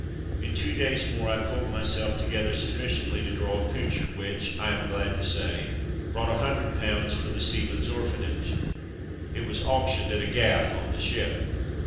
In two days more I pulled myself together sufficiently to draw a picture which, I am glad to say, brought £ioo for the Seamen's Orphanage. It was auctioned at a ''gaff'' on the ship.